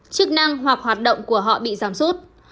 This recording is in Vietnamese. chức năng hoặc hoạt động của họ bị giảm sút